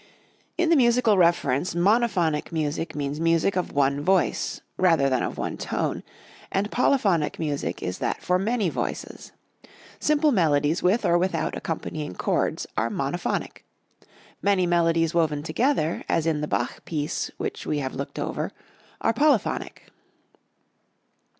In the musical reference monophonic music means music of one voice, rather than of one tone, and polyphonic music is that for many voices. Simple melodies with or without accompanying chords are monophonic; many melodies woven together, as in the Bach piece which we have looked over, are polyphonic.